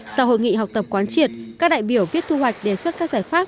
sau hội nghị học tập quán triệt các đại biểu viết thu hoạch đề xuất các giải pháp